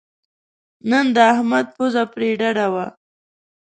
نن د احمد پوزه پرې ډډه وه.